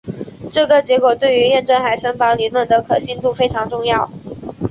这个结果对于验证海森堡理论的可信度非常重要。